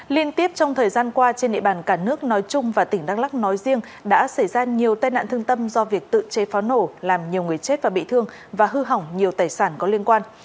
liên tiếp trong thời gian qua trên địa bàn cả nước nói chung và tỉnh đắk lắc nói riêng đã xảy ra nhiều tai nạn thương tâm do việc tự chế pháo nổ làm nhiều người chết và bị thương và hư hỏng nhiều tài sản có liên quan